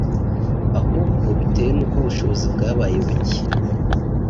ahubwo bitewe nuko ubushobozi bwabaye buke